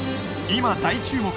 今大注目！